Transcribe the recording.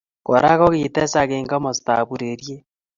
Kora ko kitesak eng komostab ureriet